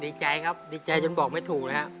ดีใจครับดีใจจนบอกไม่ถูกเลยครับ